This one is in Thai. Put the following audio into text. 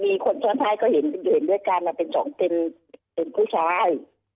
มีคนช่วงไทยก็เห็นด้วยกันมันเป็นผู้ชาย